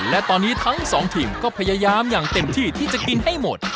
และตอนนี้ทั้งสองทีมก็พยายามอย่างเต็มที่ที่จะกินให้หมด